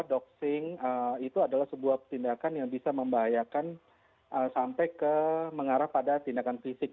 doxing itu adalah sebuah tindakan yang bisa membahayakan sampai ke mengarah pada tindakan fisik